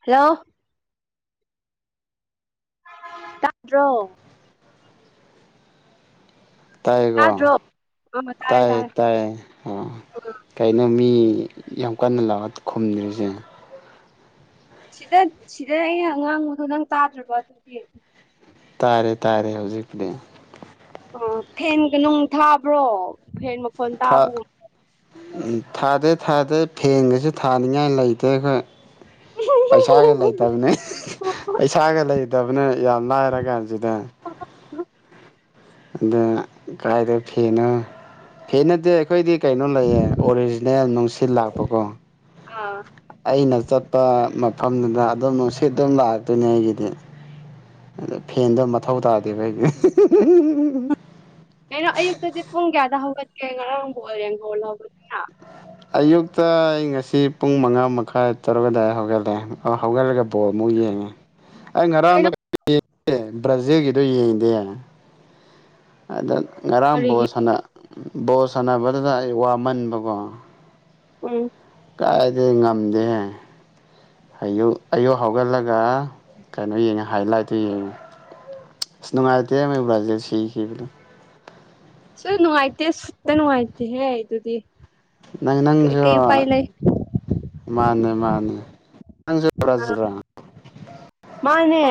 Hello. ꯇꯥꯗ꯭ꯔꯣ꯫ ꯇꯥꯏꯀ‌ꯣ ꯇꯥꯗ꯭ꯔꯣ ꯑꯥ ꯇꯥꯔꯦ ꯇꯥꯏꯌꯦ ꯇꯥꯔꯦ ꯇꯥꯏꯌꯦ ꯎꯝ꯫ ꯀꯩꯅꯣ ꯃꯤ ꯌꯥꯝ ꯀꯟꯅ ꯂꯥꯎꯔ ꯈꯨꯝꯗ꯭ꯔꯤꯁꯦ꯫ ꯁꯤꯗ ꯁꯤꯗ ꯑꯩꯅ ꯉꯥꯡꯕꯗꯣ ꯅꯪ ꯇꯥꯗ꯭ꯔꯕꯣ ꯑꯗꯨꯗꯤ꯫ ꯇꯥꯔꯦ ꯇꯥꯔꯦ ꯍꯧꯖꯤꯛꯄꯨꯗꯤ꯫ ꯑꯣ ꯐꯦꯟꯒ ꯅꯨꯡ ꯊꯥꯕ꯭ꯔꯣ ꯐꯦꯟ ꯃ꯫ ꯊꯥ ꯎꯝ ꯊꯥꯗꯦ ꯊꯥꯗꯦ ꯐꯦꯟꯒꯁꯨ ꯊꯥꯅꯤꯡꯉꯥꯏ ꯂꯩꯇꯦ ꯑꯩꯈꯣꯏ꯫ ꯄꯩꯁꯥꯒ ꯂꯩꯇꯕꯅꯦ꯫ ꯄꯩꯁꯥꯒ ꯂꯩꯇꯕꯅꯦ ꯌꯥꯝ ꯂꯥꯏꯔ ꯀꯥꯟꯁꯤꯗ꯫ ꯑꯗꯨꯅ ꯀꫪꯥꯏꯗꯩ ꯐꯦꯟꯅꯣ ꯐꯦꯟ ꯅꯠꯇꯦ꯫ ꯑꯩꯈꯣꯏꯗꯤ ꯀꯩꯅꯣ ꯂꯩꯌꯦ ꯑꯣꯔꯤꯖꯤꯅꯦꯜ ꯅꯨꯡꯁꯤꯠ ꯂꯥꯛꯄ ꯀꯣ꯫ ꯑꯥ꯫ ꯑꯩꯅ ꯆꯠꯄ ꯃꯐꯝꯗꯨꯗ ꯑꯗꯨꯝ ꯅꯨꯡꯁꯤꯠ ꯑꯗꯨꯝ ꯂꯥꯛꯇꯨꯏꯅꯦ ꯑꯩꯒꯤꯗꯤ꯫ ꯑꯗ ꯐꯦꯟꯗꯣ ꯃꯊꯧ ꯇꯥꯗꯦꯕ ꯑꯩꯒꯤ ꯀ‌ꯩꯅꯣ ꯑꯌꯨꯛꯇꯗꯤ ꯄꯨꯡ ꯀꯌꯥꯗ ꯍꯧꯒꯠꯀꯦ ꯉꯔꯥꯡꯕꯨ ꯑꯣꯏꯔꯦ ꯉꯧꯒꯦ ꯑꯌꯨꯛꯇ ꯑꯩ ꯉꯁꯤ ꯄꯨꯡ ꯃꯉꯥ ꯃꯈꯥꯏ ꯇꯔꯨꯛ ꯑꯗꯨꯗꯥꯋꯥꯏꯗ ꯍꯧꯒꯠꯂꯦ ꯍꯧꯒꯠꯂꯒ ꯕꯣꯜ ꯑꯃꯨꯛ ꯌꯦꯡꯉꯦ ꯑꯩ ꯉꯔꯥꯡꯗꯣ ꯀꯩꯅꯣ ꯕ꯭ꯔꯥꯖꯤꯜꯒꯤꯗꯣ ꯌꯦꯡꯗꯦ ꯑꯗ ꯉꯔꯥꯡ ꯕꯣꯜ ꯀꯔꯤꯒꯤ ꯁ ꯕꯣꯜ ꯁꯥꯟꯅꯕꯗꯨꯗ ꯑꯩ ꯋꯥꯃꯟꯕꯀꯣ ꯎꯝ ꯀꯥꯏꯗ‌ꯩ ꯉꯝꯗꯦ ꯑꯌꯨꯛ ꯑꯌꯨꯛ ꯍꯧꯒꯠꯂꯒ ꯀꯩꯅꯣ ꯌꯦꯡꯉꯦ ꯍꯥꯏꯂꯥꯏꯠꯇꯨ ꯌꯦꯡꯉ‌ꯦ ꯅꯨꯡꯉꯥꯏꯇ‌ꯦ ꯃ‌ꯣꯏ ꯕ꯭ꯔꯥꯖꯤꯜ ꯁꯤꯈꯤꯕꯗꯨ ꯁꯣ ꯅꯅꯨꯡꯥꯏꯇꯦ ꯁꯨꯠꯇ ꯅꯅꯨꯡꯥꯏꯇꯦ ꯍꯦ ꯏꯗꯨꯗꯤ ꯅꯪ ꯅꯪꯖꯨ ꯃꯥꯅ‌ꯦ ꯃꯥꯅ‌ꯦ ꯅꯪꯁꯨ ꯕ꯭ꯔꯥꯖꯤꯜꯂꯥ ꯃꯥꯅꯦ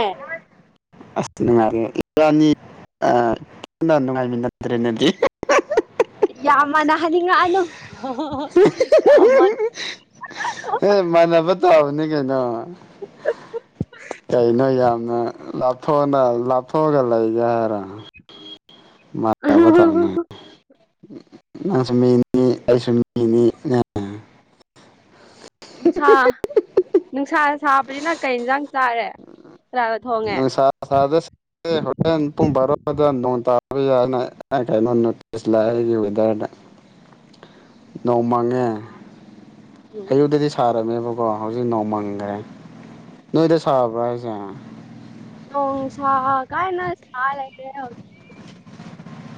ꯑꯁ ꯅꯨꯡꯉꯥꯏꯔꯦ ꯏꯕꯥꯅꯤ ꯀꯟꯅ ꯅꯨꯡꯉꯥꯏꯃꯤꯟꯅꯗ꯭ꯔꯦ ꯑꯗꯨꯗꯤ ꯌꯥꯝ ꯃꯥꯥꯟꯅꯍꯅꯤꯡꯉꯛꯑꯅꯨ ꯌꯥꯝꯃꯅ ꯃꯥꯅꯅꯕ ꯇꯕꯅꯤ ꯀꯩꯅꯣ ꯀꯩꯅꯣ ꯌꯥꯝꯅ ꯂꯥ ꯊꯨꯅ ꯂꯥꯞꯊꯣꯛꯑꯒ ꯂꯩꯒꯦ ꯍꯥꯏꯔꯣ ꯃꯥꯟꯅꯕ ꯇꯥꯕꯅꯦ ꯅꯪꯁꯨ ꯃꯤꯅꯤ ꯑꯩꯁꯨ ꯃꯤꯅꯤꯅꯦ ꯅꯨꯡꯁꯥ ꯅꯨꯡꯁꯥ ꯁꯥꯕꯁꯤꯅ ꯀꯩ ꯌꯦꯟꯁꯥꯡ ꯆꯥꯔꯦ ꯀꯅꯥꯒ ꯊꯣꯡꯉꯦ ꯑꯁꯥꯗꯁ ꯍꯣꯔꯦꯟ ꯄꯨꯡ ꯕꯥꯔꯣꯗ ꯅꯣꯡ ꯇꯥꯕ ꯌꯥꯏꯅ ꯀꯩꯅꯣ ꯅꯣꯇꯤꯁ ꯂꯥꯛ ꯑ ꯋꯤꯗꯔꯗ [inaudible] ꯅꯣꯡꯃꯪꯉꯦ ꯑꯌꯨꯛꯇꯗꯤ ꯁꯥꯔꯝꯃꯦꯕꯀꯣ ꯍꯧꯖꯤꯛ ꯅꯣꯡꯃꯪꯈ꯭ꯔꯦ ꯅꯣꯏꯗ ꯁꯥꯕ꯭ꯔ‌ꯣ ꯍꯥꯏꯁ‌ꯦ ꯑꯣꯡ ꯁꯥ ꯀꯥꯏꯅ ꯁꯥ ꯂꯩꯔ‌ꯦ [inaudible]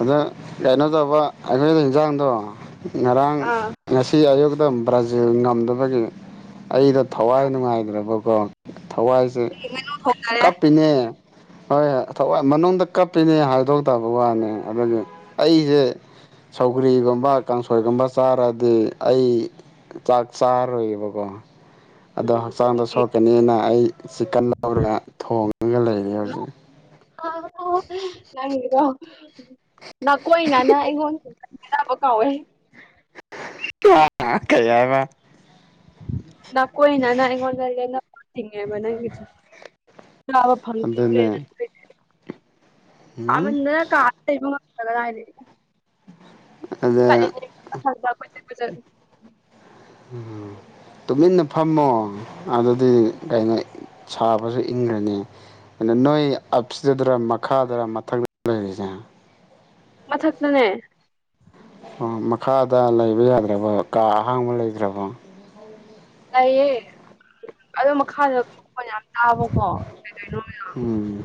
ꯑꯗ ꯀꯩꯅꯣ ꯇꯧꯕ ꯑꯩꯈꯣꯏꯗ ꯌꯦꯟꯖꯥꯡꯗꯣ ꯉꯔꯥꯡ ꯑꯥ ꯉꯁꯤ ꯑꯌꯨꯛꯇ ꯕ꯭ꯔꯥꯖꯤꯜ ꯉꯝꯗꯕꯒꯤ ꯑꯩꯗ ꯊꯋꯥꯏ ꯅꯨꯡꯉꯥꯏꯇ꯭ꯔꯕꯀꯣ ꯊꯋꯥꯢꯖꯦ ꯑꯗꯨꯒꯤ ꯉꯥꯅꯨ ꯊꯣꯡꯅꯔꯦ ꯀꯞ ꯀꯞꯄꯤꯅꯦ ꯍꯣꯏ ꯊꯋꯥꯏ ꯃꯅꯨꯡꯗ ꯀꯞꯄꯤꯅꯦ ꯍꯥꯏꯗꯣꯛꯇꯕ ꯋꯥꯅꯤ ꯑꯗꯨꯒ ꯑꯩꯁꯦ ꯁꯧꯒ꯭ꯔꯤꯒꯨꯝꯕ ꯀꯥꯡꯁꯣꯏꯒꯨꯝꯕ ꯆꯥꯔꯗꯤ ꯑꯩ ꯆꯥꯛ ꯆꯥꯔꯔꯣꯏꯌꯦꯕꯀꯣ ꯑꯗꯣ ꯎꯝ ꯍꯛꯆꯥꯡꯗ ꯁꯣꯛꯣꯔꯛꯀꯅꯦꯅ ꯑꯩ ꯆꯤꯀꯟ ꯂꯧꯔꯒ ꯊꯣꯡꯉꯒ ꯂꯩꯔꯦ ꯍꯧꯖꯤꯛ [unintelligible] ꯅꯪꯒꯤꯗꯣ ꯅꯥꯀꯣꯏ ꯅꯥꯅ ꯑꯩꯉꯣꯟꯗ ꯁꯤꯡꯅꯕ ꯀꯧꯋꯦ [unintelligible] ꯀꯩ ꯍꯥꯢꯕ ꯅꯥ ꯀꯣꯏꯅꯅꯥ ꯑꯩꯉꯣꯟꯗ ꯂꯦꯅꯕ ꯆꯤꯡꯉꯦꯕ ꯅꯪꯒꯤꯗꯣ ꯆꯥꯕ ꯑꯗꯨꯅꯦ [unintelligible] [unintelligible] ꯎꯝ ꯁꯥꯃꯟꯗꯅ ꯀꯥꯗ ꯂꯩꯕ ꯉꯝꯗꯦ ꯀꯔꯥꯢꯗꯒꯤ ꯑꯗ [unintelligible] ꯎꯝ ꯇꯨꯃꯤꯟꯅ ꯐꯝꯃꯣ ꯑꯗꯨꯗꯤ ꯀꯩꯅꯣ ꯁꯥꯕꯁꯨ ꯏꯡꯒ꯭ꯔꯅꯤ ꯑ ꯅꯣꯏ ꯑꯞꯇꯗꯔ ꯃꯈꯥꯗꯔ ꯃꯊꯛꯇꯔ ꯂꯩꯔꯤꯁꯦ ꯃꯊꯛꯇꯅꯦ ꯑꯣ ꯃꯈꯥꯗ ꯂꯩꯕ ꯌꯥꯗ꯭ꯔꯦꯕ ꯀꯥ ꯑꯍꯥꯡꯕ ꯂꯩꯇ꯭ꯔꯕꯣ ꯂꯩꯌꯦ ꯑꯗꯣ ꯃꯈꯥꯗ ꯃꯈꯣꯟ ꯌꯥꯝ ꯇꯥꯕꯀꯣ ꯀꯩ ꯀꯩꯅꯣ ꯎꯝ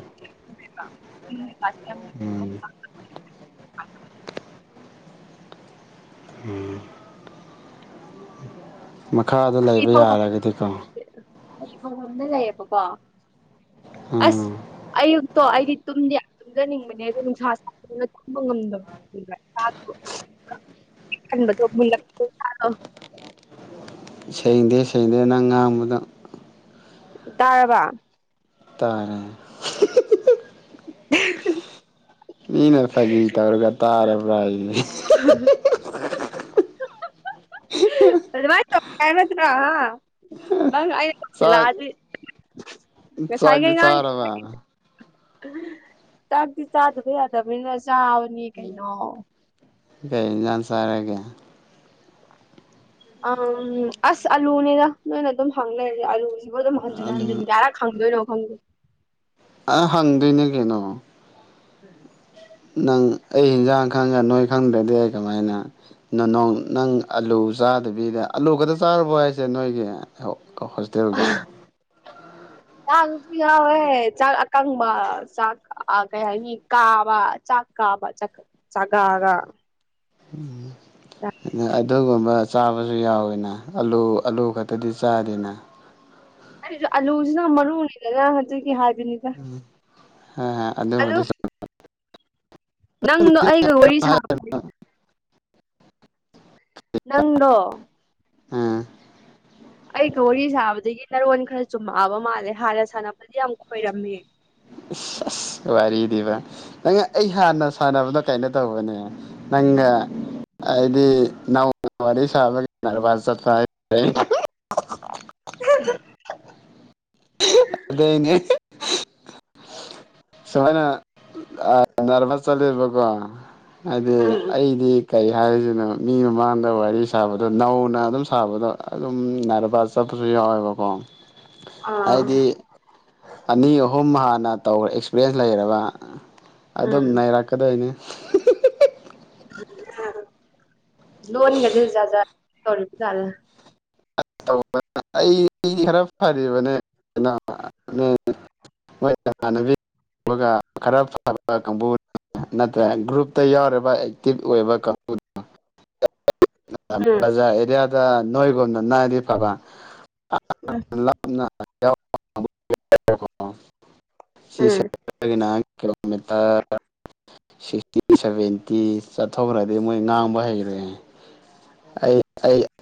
[unintelligible] ꯎꯝ ꯃꯈꯥꯗ ꯁꯤ ꯂꯩꯕ ꯐꯥꯎꯕ ꯌꯥꯔꯒꯗꯤꯀꯣ ꯐꯤ ꯐꯪꯕꯝꯅ ꯂꯩꯌꯦꯕꯀꯣ ꯑꯁ ꯎꯝ ꯑꯌꯨꯛꯇꯣ ꯑꯩꯗꯤ ꯇꯨꯝꯗꯤ ꯌꯥꯝ ꯇꯨꯝꯖꯅꯤꯡꯕꯅꯦ ꯑꯗꯨ ꯅꯨꯡꯁꯥ ꯁꯥꯕꯗꯨꯅ ꯇꯨꯝꯕ ꯉꯝꯗꯕ [unintelligible] ꯁꯦꯡꯗꯦ ꯁꯦꯡꯗꯦ ꯅꯪ ꯉꯥꯡꯕꯗꯣ ꯇꯥꯔꯕ ꯇꯥꯔꯦ [inaudible] [unintelligible] ꯃꯤꯅ ꯐꯥꯒꯤ ꯇꯧꯔꯒ ꯇꯥꯔꯕ꯭ꯔꯥ ꯍꯥꯏꯌꯦ [unintelligible] ꯑꯗꯨꯃꯥꯢ ꯇꯧꯒꯦ ꯍꯥꯢꯕ ꯅꯠꯇ꯭ꯔꯥ ꯍꯥ ꯅꯪ ꯑꯩ ꯆꯥꯛ ꯂꯥꯛꯑꯗꯤ ꯆꯥꯛꯇꯤ ꯉꯁꯥꯏꯈꯩ ꯉꯥꯡ ꯆꯥꯔꯕ [unintelligible] ꯆꯥꯛꯇꯤ ꯆꯥꯗꯕ ꯌꯥꯗꯕꯅꯤꯅ ꯆꯥꯕꯅꯤ ꯀꯩꯅꯣ ꯀꯩ ꯏꯟꯖꯥꯡ ꯆꯥꯔꯒꯦ ꯎꯝ ꯑꯁ ꯑꯥꯂꯨꯅꯤꯅ ꯅꯣꯏꯅ ꯑꯗꯨꯝ ꯍꯪ ꯂꯩꯔꯁꯦ ꯑꯂꯨꯁꯤꯕꯨ ꯑꯗꯨꯝ ꯍꯟꯖꯤꯟ ꯑꯗꯨ ꯍꯟꯖꯤꯟ ꯀꯌꯥꯔꯛ ꯍꯪꯗꯣꯏꯅꯣ ꯈꯪꯗꯦ ꯑ ꯍꯪꯗꯣꯢꯅꯦ ꯀꯩꯅꯣ ꯅꯪ ꯑꯩ ꯍꯦꯟꯖꯥꯡ ꯈꯪꯉ ꯅꯣꯏ ꯈꯪꯗ꯭ꯔꯗꯤ ꯑꯩ ꯀꯃꯥꯏꯅ ꯅ ꯅꯣꯡ ꯅꯪ ꯑꯂꯨ ꯆꯥꯗꯕꯤꯗ ꯑꯥꯂꯨ ꯈꯛꯇ ꯆꯥꯔꯕꯣ ꯍꯥꯏꯁꯦ ꯅꯣꯏꯒꯤ ꯍꯣꯁꯇꯦꯜꯗꯣ ꯆꯥꯛꯁꯨ ꯌꯥꯎꯋꯦ ꯆꯥꯛ ꯀꯪꯕ ꯆꯥꯛ ꯀꯩ ꯍꯥꯏꯅꯤ ꯀꯥꯕ ꯆꯥꯛ ꯀꯥꯕ ꯆꯥꯛ ꯆꯒꯥꯒ ꯅꯣꯢ ꯑ ꯑꯗꯨꯒꯨꯝꯕ ꯆꯥꯕꯁꯨ ꯌꯥꯎꯋꯤꯅ ꯑꯂꯨ ꯑꯂꯨ ꯈꯛꯇꯗꯤ ꯆꯥꯗꯦꯅ ꯑꯩꯁꯨ ꯑꯥꯂꯨꯁꯤꯅ ꯃꯔꯨꯅꯤꯗꯅ ꯍꯥꯏꯕꯅꯤ ꯎꯝ ꯍꯥ ꯑꯗꯨꯕꯨꯗꯤ ꯆꯨꯝ ꯅꯪꯗꯣ ꯑꯩꯒ ꯋꯥꯔꯤ ꯁꯥꯕꯅꯦ ꯅꯪꯗꯣ ꯎꯝ ꯑꯩꯒ ꯋꯥꯔꯤ ꯁꯥꯕꯗꯒꯤ ꯅꯔꯣꯟ ꯈꯔ ꯆꯨꯝꯃꯛꯑꯕ ꯃꯥꯜꯂꯦ ꯍꯥꯟꯅ ꯁꯥꯟꯅꯕꯗꯤ ꯌꯥꯝ ꯈꯣꯏꯔꯝꯃꯤ ꯑ ꯑ ꯋꯥꯔꯤꯗꯤꯕ ꯅꯪ ꯑꯩ ꯍꯥꯟꯅ ꯁꯥꯟꯅꯕꯅꯣ ꯀꯥꯏꯩꯅꯣ ꯇꯧꯕꯅꯦ ꯅꯪꯅ ꯑꯩꯗꯤ ꯅꯧꯅ ꯋꯥꯔꯤ ꯁꯥꯕꯒꯤꯕꯥ ꯆꯠꯄ ꯍꯥꯏꯦ ꯑꯗꯨꯗꯅꯦ [inaudible] ꯁꯨꯃꯥꯏꯅ ꯅꯥꯔꯃ ꯆꯠꯂꯦꯕꯀꯣ ꯍꯥꯏꯗꯤ ꯎꯝ ꯑꯩꯗꯤ ꯀꯔꯤ ꯍꯥꯏꯔꯤꯁꯤꯅꯣ ꯃꯤ ꯃꯃꯥꯡꯗ ꯋꯥꯔꯤ ꯁꯥꯕꯗꯣ ꯅꯧꯅ ꯑꯗꯨꯝ ꯁꯥꯕꯗꯣ ꯑꯗꯨꯝ ꯅꯥꯏꯕꯥ ꯆꯠꯄꯁꯨ ꯌꯥꯎꯋꯦꯕꯀꯣ ꯑꯥ ꯍꯥꯏꯗꯤ ꯑꯅꯤ ꯑꯍꯨꯝ ꯍꯥꯟꯅ ꯇꯧꯈ꯭ꯔꯦ ꯑꯦꯛꯁꯄꯤꯔꯤꯟꯁ ꯂꯩꯔꯕ ꯑꯗꯨꯝ ꯎꯝ ꯅꯔꯛꯀꯗꯣꯏꯅꯤ ꯂꯣꯟꯣꯟꯒꯦꯗꯖꯧ ꯆꯂ ꯑꯩ ꯈꯔ ꯐꯔꯤꯕꯅꯦ ꯏꯃꯥꯟꯅꯕꯤ ꯈꯔ ꯐꯕ ꯀꯥꯡꯕꯨ ꯅꯠꯇ꯭ꯔ ꯒ꯭ꯔꯨꯞꯇ ꯌꯥꯎꯔꯤꯕ ꯑꯦꯛꯇꯤꯚ ꯑꯣꯏꯕ ꯀꯥꯡ ꯎꯝ ꯕꯖꯥꯔ ꯑꯦꯔꯤꯌꯥꯗ ꯅꯣꯏꯒꯨꯝꯅ ꯅꯥꯏꯗꯤ ꯐꯕ ꯎꯝ ꯁꯤ ꯁ ꯎꯝ [unintelligible] ꯀꯂꯣꯃꯤꯇꯔ ꯁꯤꯛꯁꯇꯤ ꯁꯚꯦꯟꯇꯤ ꯆꯠꯊꯣꯛꯈ꯭ꯔꯗꯤ ꯃꯣꯏ ꯉꯥꯡꯕ ꯍꯩꯈ꯭ꯔꯦ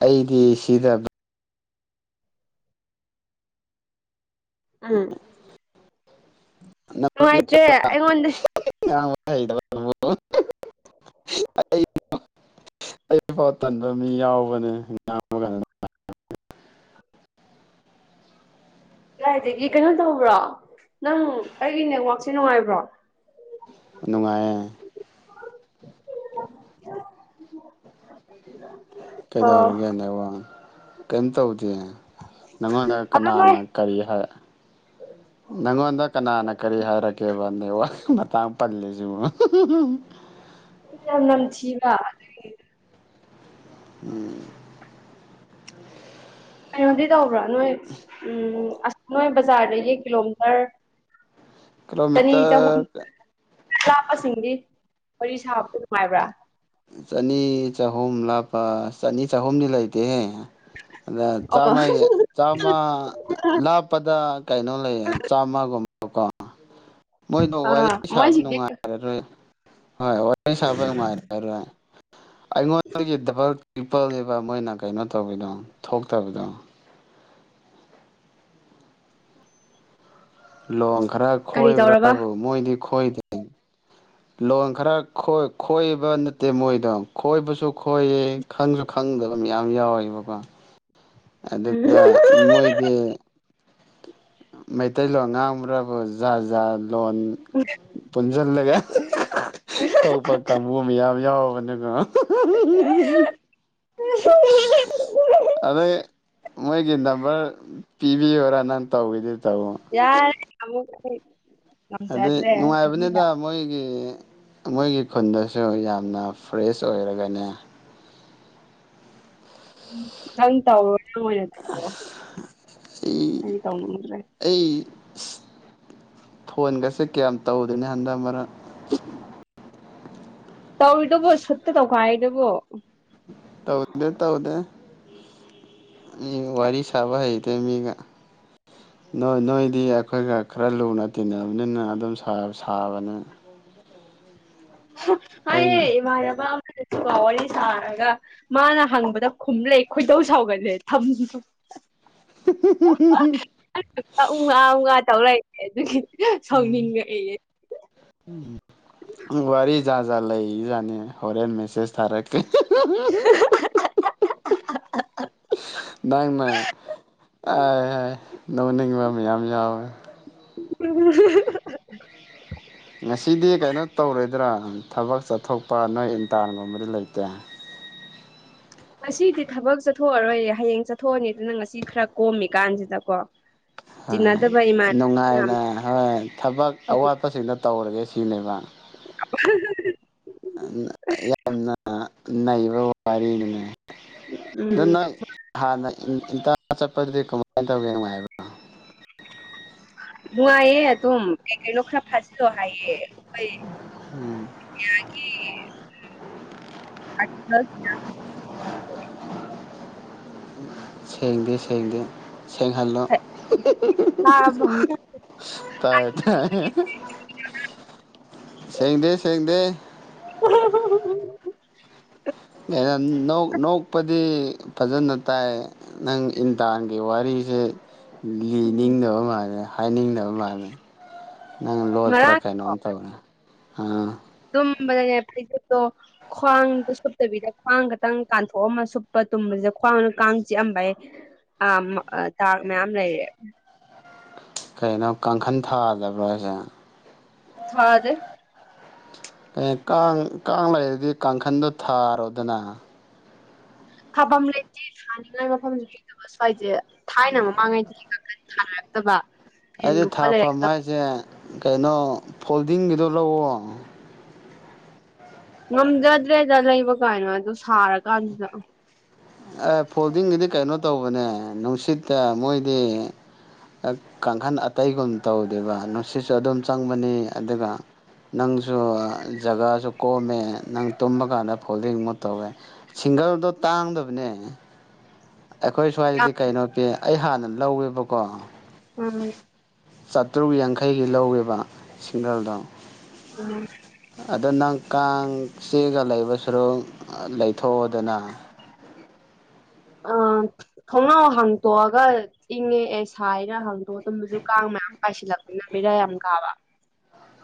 ꯑꯩꯗꯤ ꯁꯤꯗ ꯎꯝ ꯗ [inaudible] ꯅꯨꯡꯉꯥꯏꯇ꯭ꯔꯦ ꯑꯩꯉꯣꯟꯗ [unintelligible] ꯑꯩ ꯄꯥꯎ ꯇꯟꯕ ꯃꯤ ꯌꯥꯎꯕꯅꯦ ꯉ [unintelligible] ꯀꯥꯏꯗꯒꯤ ꯀꯩꯅꯣ ꯇꯧꯕ꯭ꯔꯣ ꯅꯪ ꯑꯩꯒꯤ ꯅꯦꯠꯋꯥꯛꯁꯦ ꯅꯨꯡꯉꯥꯏꯕ꯭ꯔꯣ ꯅꯨꯡꯉꯥꯏꯌꯦ ꯎꯝ [unintelligible] [inaudible] ꯑꯣ ꯅꯦꯠꯋꯥꯔꯛ ꯀꯩꯝ ꯇꯧꯗꯦ ꯅꯪꯉꯣꯟꯗ ꯀꯅꯥꯅ ꯀꯔꯤ ꯍꯥꯏ ꯑꯣ ꯅꯪꯉꯣꯟꯗ ꯀꯅꯥꯅ ꯀꯔꯤ ꯍꯥꯏꯔꯛꯀꯦꯕ ꯅꯦꯠ ꯋꯥꯥꯔꯛꯀꯤ ꯃꯇꯥꯡ ꯄꯜꯂꯤꯁꯤꯕꯣ ꯌꯥꯝ ꯅꯝꯊꯤꯕ ꯑꯗꯨꯗꯒꯤ ꯎꯝ ꯀꯩꯅꯣꯗꯤ ꯇꯧꯕ꯭ꯔꯥ ꯅꯣꯏ ꯎꯝ ꯑꯁ ꯅꯣꯏ ꯕꯖꯥꯔꯗꯗꯒꯤ ꯀꯤꯂꯣꯃꯤꯇꯔ ꯆꯅꯤ ꯆꯍꯨꯝ ꯀꯤꯂꯣꯃꯤꯇꯔ ꯂꯥꯞꯄꯁꯤꯡꯗꯤ ꯋꯥꯔꯤ ꯁꯥꯕꯗ ꯅꯨꯡꯉꯥꯏꯕ꯭ꯔꯥ ꯆꯅꯤ ꯆꯍꯨꯝ ꯂꯥꯞꯄ ꯆꯅꯤ ꯆꯍꯨꯝꯗꯤ ꯂꯩꯇꯦꯍꯦ ꯑꯗ ꯑꯣ ꯆꯥꯃꯥꯏ ꯆꯥꯝꯃ ꯂꯥꯞꯄꯗ ꯀꯩꯅꯣ ꯂꯩꯌꯦ ꯆꯥꯝꯃꯒꯨꯝꯕ ꯃꯣꯏꯗꯣ ꯋꯥꯔꯤ ꯑꯥ ꯁꯥꯕ ꯃꯣꯏꯁꯤꯡꯗꯤ ꯅꯨꯡꯉꯥꯏꯔꯔꯣꯏ ꯍꯣꯏ ꯋꯥꯔꯤ ꯁꯥꯕ ꯅꯨꯡꯉꯥꯏꯔꯔꯣꯏ ꯑꯩꯉꯣꯟꯗꯒꯤ ꯗꯕꯜ ꯇꯔꯤꯄ ꯅꯦꯕ ꯃꯣꯏꯅ ꯀꯩꯅꯣ ꯇꯧꯕꯗꯣ ꯊꯣꯛꯇꯕꯗꯣ ꯂꯣꯟ ꯈꯔ ꯈꯣꯏꯕ꯭ꯔꯥꯕꯨ ꯃꯣꯏꯗꯤ ꯈꯣꯏꯗꯦ ꯎꯝ ꯂꯣꯟ ꯈꯔ ꯈꯣꯏꯕ ꯅꯠꯇꯦ ꯃꯣꯏꯗꯣ ꯈꯣꯏꯕꯁꯨ ꯈꯣꯏꯌꯦ ꯈꯪꯁꯨ ꯈꯪꯗꯕ ꯃꯌꯥꯝ ꯌꯥꯎꯋꯦꯕꯀꯣ ꯎꯝ ꯑꯗꯨꯗ ꯃꯣꯏꯗꯤ ꯃꯩꯇꯩꯂꯣꯟ ꯉꯥꯡꯕ꯭ꯔꯕꯨ ꯖꯥ ꯖꯥ ꯂꯣꯟ ꯎꯝ ꯄꯨꯟꯁꯤꯜꯂꯒ ꯊꯣꯛꯄ ꯀꯥꯡꯕꯨ ꯃꯌꯥꯝ ꯌꯥꯎꯕꯅꯤ ꯍꯣ ꯍꯣ ꯍꯣ ꯎꯝ ꯑꯗꯩ ꯃꯣꯏꯒꯤ ꯅꯝꯕꯔ ꯄꯤꯕꯤꯌꯨꯔ ꯅꯪ ꯇꯧꯒꯦꯗꯤ ꯇꯧ ꯌꯥꯔꯅꯤ ꯑꯃꯨꯛ ꯑꯩ ꯑꯗꯩ ꯉꯝꯖꯗ꯭ꯔꯦ ꯅꯨꯡꯉꯥꯏꯕꯅꯤꯗ ꯃꯣꯏꯒꯤ ꯃꯣꯏꯒꯤ ꯈꯨꯟꯗꯁꯨ ꯌꯥꯝꯅ ꯐ꯭ꯔꯦꯁ ꯑꯣꯏꯔꯒꯅꯦ ꯅꯪ ꯇꯧꯋꯣ ꯅꯪ ꯑꯣꯏꯅ ꯇꯧ ꯑꯩ ꯑꯩꯗꯤ ꯇꯧꯅꯤꯡꯗ꯭ꯔꯦ ꯑꯩ ꯐꯣꯟꯒꯁꯦ ꯀꯌꯥꯝ ꯇꯧꯗꯦꯅꯦ ꯍꯟꯗꯛ ꯃꯔꯛ ꯇꯧꯔꯤꯗꯨꯕꯣ ꯁꯨꯠꯇ ꯇꯧꯈꯥꯏꯔꯤꯗꯨꯕꯣ ꯇꯧꯗꯦ ꯇꯧꯗꯦ ꯑꯩ ꯋꯥꯔꯤ ꯁꯥꯕ ꯍꯩꯇꯦ ꯃꯤꯒ ꯅꯣꯏ ꯅꯣꯏꯗꯤ ꯑꯩꯈꯣꯏꯒ ꯈꯔ ꯂꯨꯅ ꯇꯤꯟꯅꯕꯅꯤꯅ ꯑꯗꯨꯝ ꯁꯥꯕꯅꯤ ꯍꯥꯏꯌꯦ ꯑꯩꯅ ꯏꯃꯥꯟꯅꯕ ꯀꯣꯜ ꯋꯥꯔꯤ ꯁꯥꯔꯒ ꯃꯥꯅ ꯍꯪꯕꯗ ꯈꯨꯝꯂ ꯈꯣꯏꯗꯧ ꯁꯥꯎꯒꯠꯂꯦ ꯊꯝꯕ ꯎꯝ ꯍꯨꯝ ꯍꯨꯝ ꯎꯟ ꯑꯥ ꯎꯟ ꯑꯥ ꯇꯧꯔꯛ ꯂꯩ ꯑꯗꯨꯒꯤ ꯁꯥꯎꯅꯤꯡꯉꯛꯑꯦꯌꯦ ꯎꯝ ꯋꯥꯔꯤ ꯖꯥꯠ ꯖꯥꯠ ꯂꯩꯖꯥꯅꯤ ꯍꯣꯔꯦꯟ ꯃꯦꯁꯦꯁ ꯊꯥꯔꯛꯀꯦ ꯅꯪꯅ ꯑ ꯍꯥꯏ ꯅꯣꯛ ꯅꯤꯡꯕ ꯃꯌꯥꯝ ꯌꯥꯎꯋꯦ ꯎꯝ ꯉꯁꯤꯗꯤ ꯀꯩꯅꯣ ꯇꯧꯔꯣꯏꯗ꯭ꯔꯥ ꯊꯕꯛ ꯆꯠꯊꯣꯛꯄ ꯅꯣꯏ ꯏꯟꯇꯔꯒꯨꯝꯕꯗꯤ ꯂꯩꯇꯦ? ꯉꯁꯤꯗꯤ ꯊꯕꯛ ꯆꯠꯊꯣꯛꯑꯔꯣꯏꯌꯦ ꯍꯌꯦꯡ ꯆꯠꯊꯣꯛꯑꯅꯤ ꯑꯗꯨꯅ ꯉꯁꯤ ꯈꯔ ꯀꯣꯝꯃꯤꯀꯥꯟꯁꯤꯗꯀꯣ? [inaudible] ꯍꯣꯏ ꯏꯃꯥꯟ ꯃꯌꯥꯝ ꯅꯨꯡꯉꯥꯏꯅ ꯍꯣꯏ ꯊꯕꯛ ꯑꯋꯥꯠꯄꯁꯤꯡꯗꯣ ꯇꯧꯔꯒꯦ ꯁꯤꯅꯦꯕ? [unintelligible] ꯌꯥꯝꯅ ꯅꯩꯕ ꯋꯥ-ꯋꯥꯔꯤꯅꯤ꯫ ꯑꯗꯨ ꯎꯝ ꯅꯪ ꯍꯥꯟꯅ [unintelligible] ꯆꯠꯄꯗꯨꯗꯤ ꯀꯃꯥꯏꯅ ꯇꯧꯒꯦ ꯅꯨꯡꯉꯥꯏꯕ ꯅꯨꯡꯉꯥꯏꯌꯦ ꯑꯗꯨꯝ ꯀꯩ-ꯀꯩꯅꯣ ꯈꯔ ꯐꯥꯖꯤꯂꯣ ꯍꯥꯏꯌꯦ ꯑꯩꯈꯣꯏ ꯎꯝ [inaudible] ꯁꯦꯡꯗꯦ-ꯁꯦꯡꯗꯦ ꯁꯦꯡꯍꯜꯂꯣ꯫ ꯇꯥꯔꯕꯣ꯫ ꯇꯥꯏꯌꯦ ꯇꯥꯏ ꯁꯦꯡꯗꯦ ꯁꯦꯡꯗꯦ꯫ [unintelligible] [unintelligible] ꯅꯣꯛꯄꯗꯤ ꯐꯖꯅ ꯇꯥꯏ ꯅꯪ ꯏꯟꯇꯔꯒꯤ ꯋꯥꯔꯤꯁꯦ ꯂꯤꯅꯤꯡꯗꯕ ꯃꯥꯜꯂꯦ꯫ ꯍꯥꯏꯅꯤꯡꯗꯕ ꯃꯥꯜꯂꯦ ꯅꯪ ꯂꯣꯠꯄ꯭ꯔꯥ ꯉꯔꯥꯡꯗꯣ ꯀꯩꯅꯣꯝ ꯇꯧꯔꯦ ꯍꯥ? ꯇꯨꯝꯕꯗꯅꯦ ꯐꯩꯖꯨꯞꯇꯣ ꯈ꯭ꯋꯥꯡꯗꯣ ꯁꯨꯞꯇꯕꯤꯗ ꯈ꯭ꯋꯥꯡ ꯈꯛꯇꯪ ꯀꯥꯟꯊꯣꯛꯑꯃ ꯁꯨꯞꯄ ꯇꯨꯝꯕꯁꯤꯗ ꯈ꯭ꯋꯥꯡꯗ ꯀꯥꯡ ꯆꯤꯛꯑꯝꯕꯩ ꯑ-ꯃ ꯗꯥꯛ ꯂꯩꯔꯦ꯫ ꯀꯩꯅꯣ ꯀꯥꯡꯈꯟ ꯊꯥꯗꯕ꯭ꯔꯣ ꯍꯥꯏꯁꯦ? [unintelligible] [unintelligible] ꯀꯥꯡ-ꯀꯥꯡ ꯂꯩꯔꯗꯤ ꯀꯥꯡꯈꯟꯗꯣ ꯊꯥꯔꯣꯗꯅ꯫ ꯊꯥꯐꯝ ꯂꯩꯇꯦ ꯊꯥꯅꯤꯡꯉꯥꯏ ꯃꯐꯝꯁꯨ ꯂꯩꯇꯕ ꯁ꯭ꯋꯥꯏꯁꯦ ꯊꯥꯏꯅ ꯃꯃꯥꯡꯉꯩꯗꯒꯤ ꯀꯥꯡꯈꯜ ꯊꯔꯛ ꯑꯩꯗꯤ ꯊꯥꯐꯝ ꯍꯥꯏꯁꯦ ꯀꯩꯅꯣ ꯐꯣꯜꯗꯤꯡꯒꯤꯗꯣ ꯂꯧꯑꯣ꯫ ꯉꯝꯖꯗ꯭ꯔꯦꯗ ꯂꯩꯕ ꯀꯥꯏꯅ ꯑꯗꯨ ꯁꯥꯔ ꯀꯥꯟꯁꯤꯗ꯫ ꯑ ꯐꯣꯜꯗꯤꯡꯒꯤꯗꯤ ꯀꯩꯅꯣ ꯇꯧꯕꯅꯦ ꯅꯨꯡꯁꯤꯠꯇ ꯃꯣꯏꯗꯤ ꯀꯥꯡꯈꯟ ꯑꯇꯩꯒꯨꯝ ꯇꯧꯗꯦꯕ ꯅꯨꯡꯁꯤꯠꯁꯨ ꯑꯗꯨꯝ ꯆꯪꯕꯅꯤ ꯑꯗꯨꯒ ꯅꯪꯁꯨ ꯖꯒꯥꯁꯨ ꯀꯣꯝꯃꯦ ꯅꯪ ꯇꯨꯝꯕ ꯀꯥꯟꯗ ꯐꯣꯜꯗꯤꯡꯃꯨꯛ ꯇꯧꯋꯦ ꯁꯤꯡꯒꯜꯗꯣ ꯇꯥꯡꯗꯕꯅꯦ ꯑꯩꯈꯣꯏ ꯁ꯭ꯋꯥꯏꯗꯗꯤ ꯌꯥꯝ ꯀꯩꯅꯣ ꯄꯤ ꯑꯩ ꯍꯥꯟꯅ ꯂꯧꯋꯦꯕꯀꯣ ꯎꯝ ꯆꯥꯇ꯭ꯔꯨꯛ ꯌꯥꯡꯈꯩꯒꯤ ꯂꯧꯋꯦꯕ ꯁꯤꯡꯒꯜꯗꯣ ꯎꯝ ꯑꯗꯨ ꯅꯪ ꯀꯥꯡ ꯆꯤꯛꯑꯒ ꯂꯩꯕ ꯁꯔꯨꯛ ꯂꯩꯊꯣꯛꯑꯣꯗꯅ ꯑ ꯊꯣꯛꯅꯥꯎ ꯍꯥꯡꯇꯣꯛꯑꯒ ꯏꯪꯉꯦ ꯑꯦ ꯁꯥꯏꯔ ꯍꯪꯗꯣꯛꯑ ꯇꯨꯝꯕꯁꯨ ꯀꯥꯡ ꯃꯌꯥꯝ ꯄꯥꯏꯁꯤꯜꯂꯛꯄꯅꯤꯅ ꯕꯤꯔꯥ ꯌꯥꯝ ꯀꯥꯕ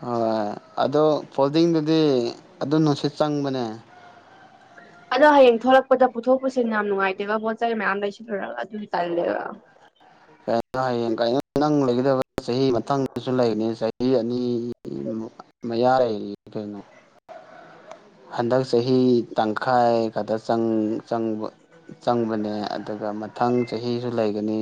ꯍꯣꯏ ꯑꯗꯣ ꯐꯣꯜꯗꯤꯡꯗꯨꯗꯤ ꯑꯗꯨꯝ ꯅꯨꯡꯁꯤꯠ ꯆꯪꯕꯅꯦ ꯑꯗꯣ ꯍꯌꯦꯡ ꯊꯣꯛꯂꯛꯄꯗ ꯄꯨꯊꯣꯛ ꯄꯨꯁꯤꯟ ꯌꯥꯝ ꯅꯨꯡꯉꯥꯏꯇꯦꯕ ꯄꯣꯠ ꯆꯩ ꯃꯌꯥꯝ ꯂꯩꯁꯤꯜꯂꯨꯔꯒ ꯑꯗꯨꯒꯤ ꯇꯜꯂꯦꯕ ꯀꯩꯅꯣ ꯍꯌꯦꯡ ꯀꯥꯏꯅꯣ ꯅꯪ ꯂꯩꯒꯗꯕ ꯆꯍꯤ ꯃꯊꯪꯗꯁꯨ ꯂꯩꯒꯅꯤ ꯆꯍꯤ ꯑꯅꯤꯃꯨꯛ ꯃꯌꯥ ꯂꯩꯔꯤ ꯀꯩꯅꯣ ꯍꯟꯗꯛ ꯆꯍꯤ ꯇꯪꯈꯥꯏ ꯈꯛꯇꯪ ꯆꯪꯆꯪꯕ ꯆꯪꯕꯅꯦ ꯑꯗꯨꯒ ꯃꯊꯪ ꯆꯍꯤꯁꯨ ꯂꯩꯒꯅꯤ